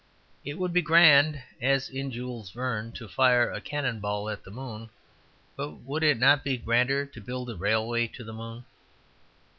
It would be grand (as in Jules Verne) to fire a cannon ball at the moon; but would it not be grander to build a railway to the moon?